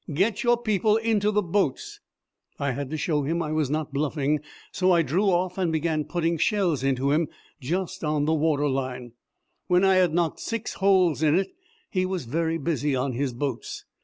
Get your people into the boats." I had to show him I was not bluffing, so I drew off and began putting shells into him just on the water line. When I had knocked six holes in it he was very busy on his boats.